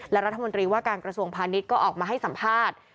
และรัฐมนตรีว่าการกระทรวงพาณิชย์ก็ออกมาให้สัมภาษณ์